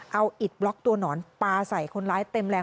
เอาอิดบล็อกตัวหนอนปลาใส่คนร้ายเต็มแรง